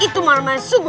itu malah main sungguh